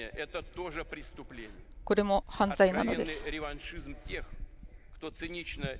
これも犯罪なのです。